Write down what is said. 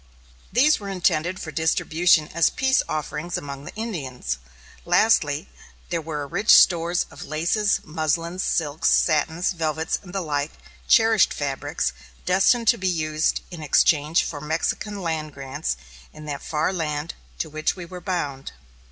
These were intended for distribution as peace offerings among the Indians. Lastly, there were rich stores of laces, muslins, silks, satins, velvets and like cherished fabrics, destined to be used in exchange for Mexican land grants in that far land to which we were bound.